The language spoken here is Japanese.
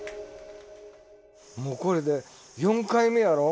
もうこれで４回目やろ。